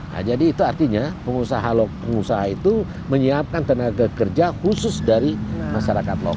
nah jadi itu artinya pengusaha itu menyiapkan tenaga kerja khusus dari masyarakat lokal